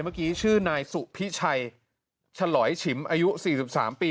เมื่อกี้ชื่อนายสุพิชัยฉลอยฉิมอายุสี่สิบสามปี